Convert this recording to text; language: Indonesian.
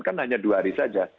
kan hanya dua hari saja